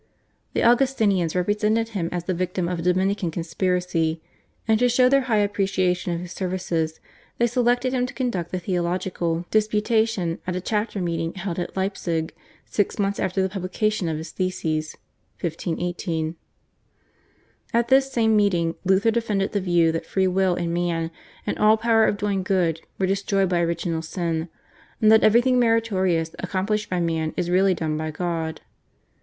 The Augustinians represented him as the victim of a Dominican conspiracy, and to show their high appreciation of his services they selected him to conduct the theological disputation at a chapter meeting held at Leipzig six months after the publication of his theses (1518). At this same meeting Luther defended the view that free will in man and all power of doing good were destroyed by original sin, and that everything meritorious accomplished by man is really done by God.